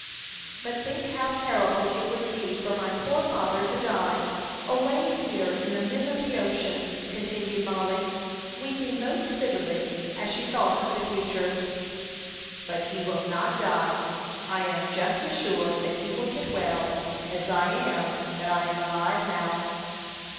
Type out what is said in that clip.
"But think how terrible it would be for my poor father to die, away here in the middle of the ocean," continued Mollie, weeping most bitterly, as she thought of the future. "But he will not die; I am just as sure that he will get well, as I am that I am alive now."